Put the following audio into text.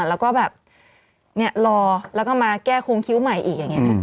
แล้วก็แบบเนี่ยรอแล้วก็มาแก้โครงคิ้วใหม่อีกอย่างนี้